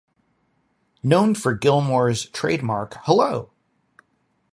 Known for Gilmour's trademark Hello!